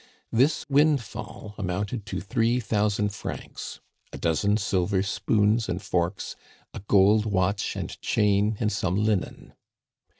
This windfall amounted to three thousand francs, a dozen silver spoons and forks, a gold watch and chain and some linen.